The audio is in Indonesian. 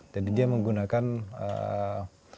jadi dia menggunakan material uranium